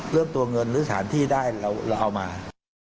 เรื่องตัวเงินหรือสถานที่ได้เราเอามา